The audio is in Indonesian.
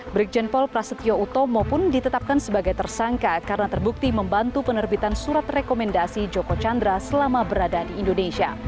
brigjen paul prasetyo utomo pun ditetapkan sebagai tersangka karena terbukti membantu penerbitan surat rekomendasi joko chandra selama berada di indonesia